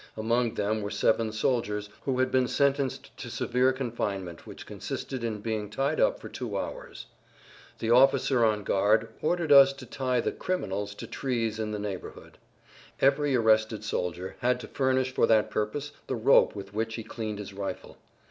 Among them were seven soldiers who had been sentenced to severe confinement which consisted in being tied up for two hours. The officer on guard ordered us to tie the "criminals" to trees in the neighborhood. Every arrested soldier had to furnish for that purpose the rope with which he cleaned his rifle.